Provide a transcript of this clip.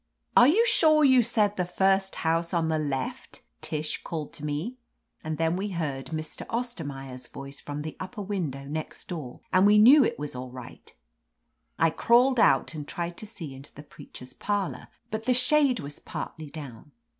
"Are you sure you said the first house on the left ?" Tish called to me. And then we heard Mr. Ostermaier's voice from the upper window next door, and we knew it was all right. I crawled out and tried to see into the preacher's parlor, but the shade was partly down.